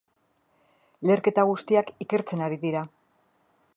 Leherketa guztiak ikertzen ari dira.